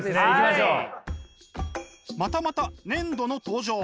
またまた粘土の登場。